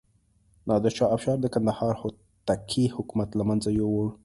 نادر شاه افشار د کندهار هوتکي حکومت له منځه یووړ.